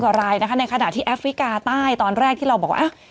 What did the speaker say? กว่ารายนะคะในขณะที่แอฟริกาใต้ตอนแรกที่เราบอกว่า